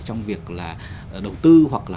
trong việc là đầu tư hoặc là